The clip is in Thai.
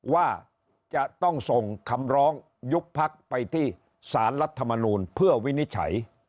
ว่าจะต้องส่งคำร้องยุบพักไปที่สารรัฐมนูลเพื่อวินิจฉัย